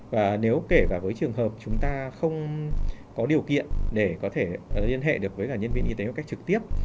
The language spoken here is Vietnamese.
và nếu kể cả với trường hợp chúng ta không có điều kiện để có thể liên hệ được với cả nhân viên y tế một cách trực tiếp